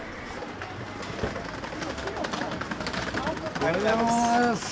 おはようございます。